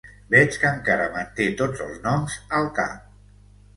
Veig que encara manté tots els noms al cap.